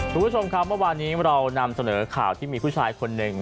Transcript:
คุณผู้ชมครับเมื่อวานนี้เรานำเสนอข่าวที่มีผู้ชายคนหนึ่ง